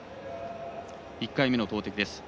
１回目の投てきです。